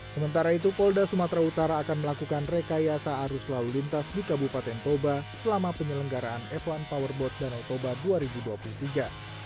sementara itu polda sumatera utara akan melakukan rekayasa arus lalu lintas di kabupaten toba selama penyelenggaraan f satu powerboat danau toba dua ribu dua puluh tiga